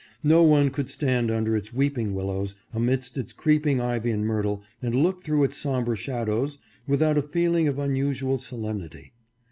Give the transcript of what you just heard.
No one could stand under its weeping willows, amidst its creeping ivy and myrtle, and look through its somber shadows, without a feeling of unusual solemnity.